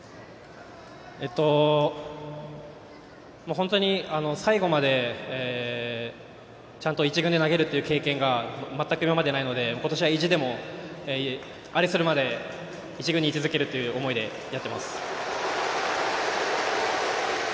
本当に最後までちゃんと１軍で投げるっていう経験が全く今までないので今年は維持でもＡＲＥするまで１軍に、い続けるという思いでやってます。